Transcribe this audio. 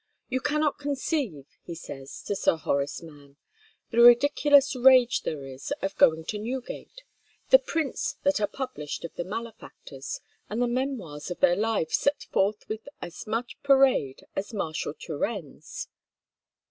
"You cannot conceive," he says to Sir Horace Mann, "the ridiculous rage there is of going to Newgate, the prints that are published of the malefactors, and the memoirs of their lives set forth with as much parade as Marshal Turrenne's."